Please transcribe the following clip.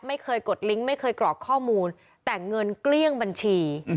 กดลิงก์ไม่เคยกรอกข้อมูลแต่เงินเกลี้ยงบัญชี